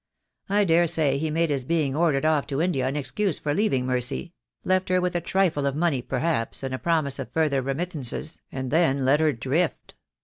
I dare say he made his being ordered off to India an excuse for leaving Mercy — left her with a trifle of money perhaps, and a promise of further remittances, and then let her drift.